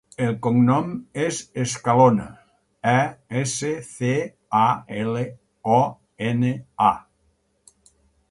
El cognom és Escalona: e, essa, ce, a, ela, o, ena, a.